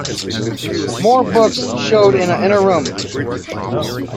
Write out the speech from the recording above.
More books showed in an inner room.